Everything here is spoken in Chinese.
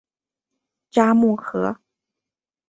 札木合。